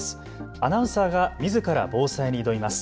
アナウンサーがみずから防災に挑みます。